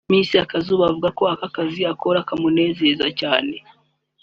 Miss Akazuba avuga ko aka kazi akora kamunezeza cyane